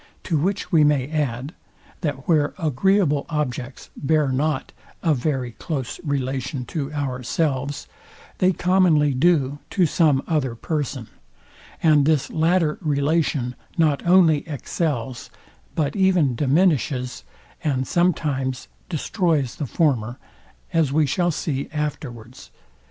To which we may add, that where agreeable objects bear not a very close relation to ourselves, they commonly do to some other person; and this latter relation not only excels, but even diminishes, and sometimes destroys the former, as we shall see afterwards.